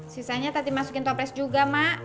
sisanya tadi masukin toples juga mak